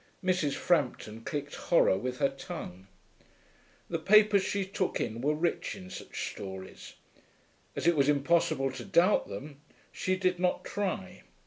Mrs. Frampton clicked horror with her tongue. The papers she took in were rich in such stories. As it was impossible to doubt them, she did not try.